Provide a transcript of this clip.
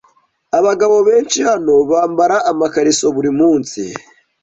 Abagabo benshi hano bambara amakariso buri munsi.